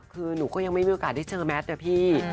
คือหนูก็ยังไม่มีโอกาสได้เจอแมทนะพี่